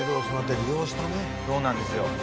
そうなんですよ。